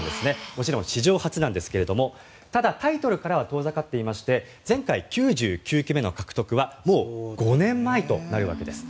もちろん史上初なんですがただ、タイトルからは遠ざかっていまして前回、９９期目の獲得はもう５年前となるわけです。